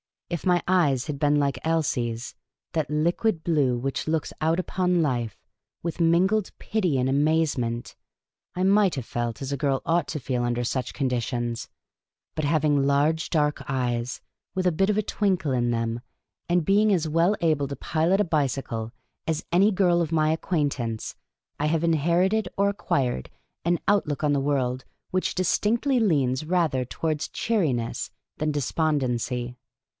If my eyes had been like Elsie's — that liquid blue which looks out upon life with mingled pity and amazement — I might have felt as a girl ought to feel under such con ditions ; but having large dark ej^es, with a bit of a twinkle in them, and being as well able to pilot a bicycle as any girl of my acquaintance, I have inherited or acquired an outlook on the world which distinctly leans rather towards cheeriness The Cantankerous Old Lady 7 than despondency.